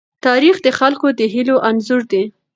تاریخ د خلکو د هيلو انځور دی.